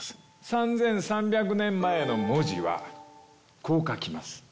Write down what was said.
３３００年前の文字はこう書きます。